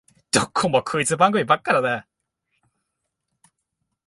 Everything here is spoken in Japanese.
どこもクイズ番組ばっかだなあ